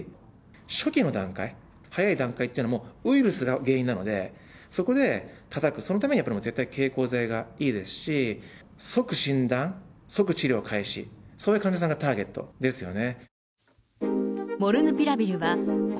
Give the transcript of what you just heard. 初期の段階、早い段階っていうのはウイルスが原因なので、そこでたたく、そのためには絶対経口剤がいいですし、即診断、即治療開始、そういう患者さんがターゲットですよね。